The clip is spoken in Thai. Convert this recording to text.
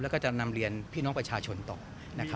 แล้วก็จะนำเรียนพี่น้องประชาชนต่อ